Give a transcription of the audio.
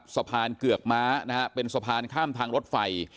สะพานเกือกม้าเป็นสะพานข้ามทางรถไฟ